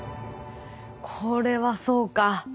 これはそうか。